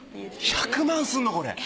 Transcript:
１００万するのこれ。